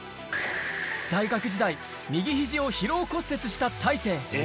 大学時代、右ひじを疲労骨折した大勢。